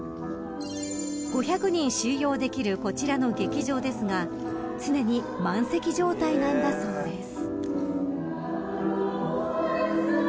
［５００人収容できるこちらの劇場ですが常に満席状態なんだそうです］